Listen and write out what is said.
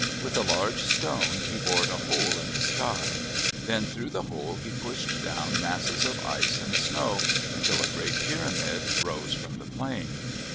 With a large stone he bored a hole in the sky. Then through the hole he pushed down masses of ice and snow, until a great pyramid rose from the plain.